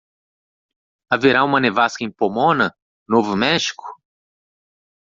Haverá uma nevasca em Pomona? Novo México?